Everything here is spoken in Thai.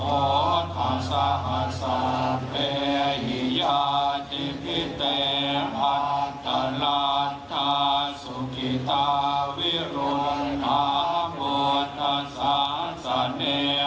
โดยท่านประธานให้วิธีและท่านผู้มีเกียรติดังแนะนำต่อไปนี้